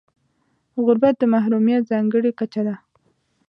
غربت د محرومیت ځانګړې کچه ده.